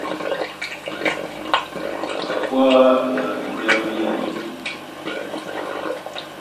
Hákwaha ehangi tɛ́h yá mbíya yé !